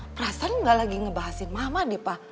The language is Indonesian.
perasaan gak lagi ngebahasin mama deh pa